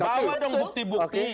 bawa dong bukti bukti